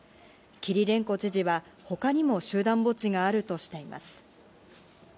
キリレンコ知事は、他にも集団墓地があるとしています。